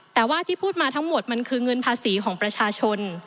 แต่ว่าที่พูดมาทั้งหมดมันคือเงินภาษีของประชาชน